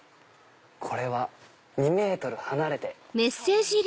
これは「２ｍ離れて」。